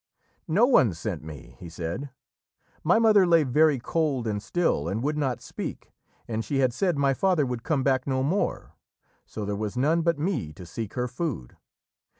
"No one sent me," he said. "My mother lay very cold and still and would not speak, and she had said my father would come back no more, so there was none but me to seek her food.